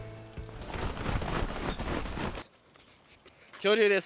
恐竜です。